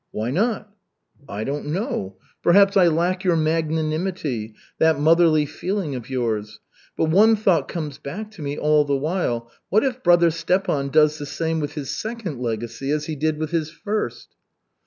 "Why not?" "I don't know. Perhaps I lack your magnanimity, that motherly feeling of yours. But one thought comes back to me all the while what if brother Stepan does the same with his second legacy as he did with his first?"